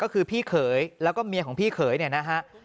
ก็คือพี่เขยแล้วก็เมียของพี่เขยเนี่ยนะฮะ